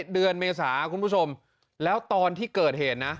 เดือนเมษาคุณผู้ชมแล้วตอนที่เกิดเหตุนะ